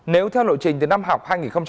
nếu theo lộ trình từ năm học